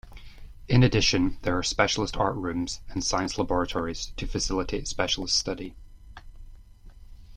In addition, there are specialist art rooms and science laboratories to facilitate specialist study.